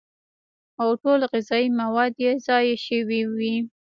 او ټول غذائي مواد ئې ضايع شوي وي